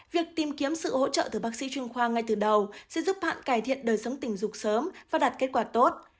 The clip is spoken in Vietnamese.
việc tìm kiếm sự hỗ trợ từ bác sĩ chuyên khoa ngay từ đầu sẽ giúp bạn cải thiện đời sống tình dục sớm và đạt kết quả tốt